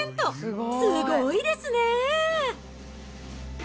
すごいですね。